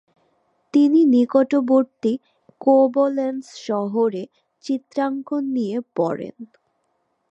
তিনি নিকটবর্তী কোবলেন্স শহরে চিত্রাঙ্কন নিয়ে পড়েন।